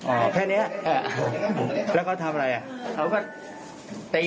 ออแค่เนี่ยแล้วเขาทำไร